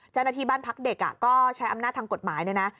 จันนทีบ้านพักเด็กก็ใช้อำนาจทางกฎหมายนะ